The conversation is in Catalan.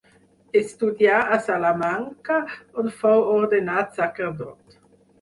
Estudià a Salamanca, on fou ordenat sacerdot.